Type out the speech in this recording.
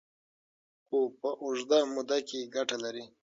خو په اوږده موده کې ګټه لري.